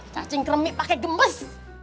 cacing kremik pakai gembes